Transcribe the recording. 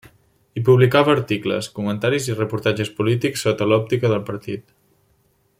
Hi publicava articles, comentaris i reportatges polítics sota l'òptica del partit.